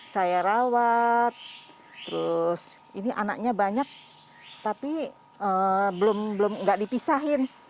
saya rawat terus ini anaknya banyak tapi belum nggak dipisahin